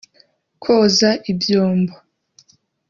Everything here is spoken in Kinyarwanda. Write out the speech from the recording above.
Koza ibyombo